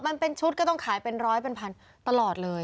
มันเป็นชุดก็ต้องขายเป็นร้อยเป็นพันตลอดเลย